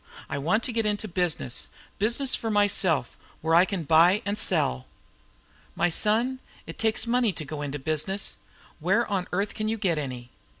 I want to get into business business for myself, where I can buy and sell." "My son, it takes money to go into business. Where on earth can you get any?"